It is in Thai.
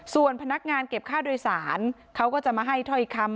ส่วนพนักงานเก็บค่าโดยสารเขาก็จะมาให้ถ้อยคำ